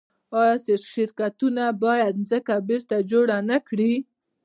آیا شرکتونه باید ځمکه بیرته جوړه نکړي؟